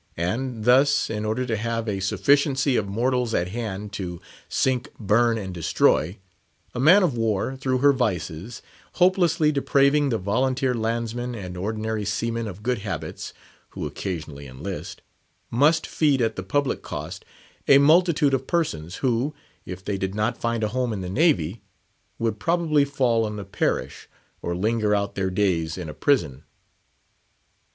And thus, in order to have a sufficiency of mortals at hand to "sink, burn and destroy;" a man of war, through her vices, hopelessly depraving the volunteer landsmen and ordinary seamen of good habits, who occasionally enlist—must feed at the public cost a multitude of persons, who, if they did not find a home in the Navy, would probably fall on the parish, or linger out their days in a prison.